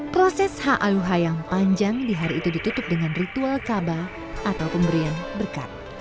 proses ha'aluhah yang panjang di hari itu ditutup dengan ritual kabah atau pemberian berkat